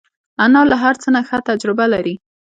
انا له هر څه نه ښه تجربه لري